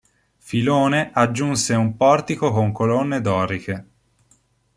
Filone aggiunse un portico con colonne doriche.